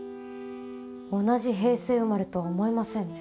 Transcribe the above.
同じ平成生まれとは思えませんね。